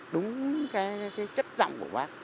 đúng cái chất giọng của bác